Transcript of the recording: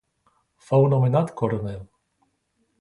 Fou nomenat coronel.